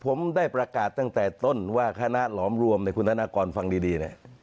ผมได้ประกาศตั้งแต่ต้นว่าคณะหลอมรวมคุณธนากรฟังดีเนี่ย